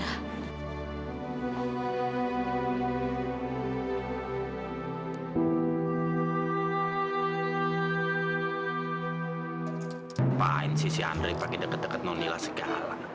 apaan sih si andre pakai deket deket noni lah segala